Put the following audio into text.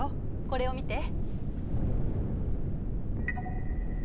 これを見て。